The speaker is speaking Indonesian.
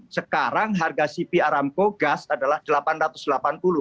sekarang harga cp aramco gas adalah rp delapan ratus delapan puluh